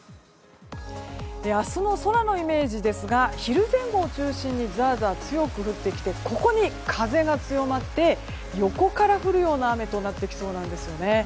明日の空のイメージですが昼前後を中心にザーザー強く降ってきてここに風が強まって横から降るような雨となってきそうなんです。